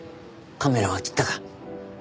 カメラは切ったか？